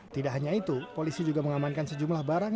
tidak hanya itu polisi juga mengamankan sejumlah barang